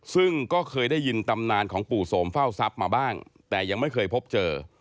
ซึ่งก็เคยได้ยินตำนานของปู่โสมเฝ้าทรัพย์มาบ้างแต่ยังไม่เคยพบเจอ